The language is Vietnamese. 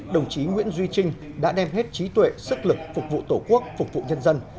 đồng chí nguyễn duy trinh đã đem hết trí tuệ sức lực phục vụ tổ quốc phục vụ nhân dân